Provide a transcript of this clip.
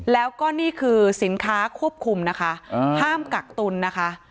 แล้วก็นี่คือสินค้าควบคุมนะคะห้ามกักตุลนะคะ